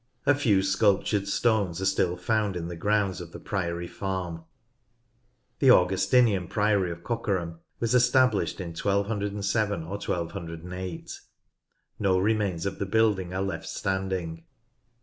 A few sculptured stones are still found in the grounds of the Priory Farm. The Augustinian Priory of Cockerham was established in 1 207 or 1208. No remains of the building are left standing.